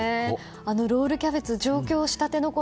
ロールキャベツ上京したてのころ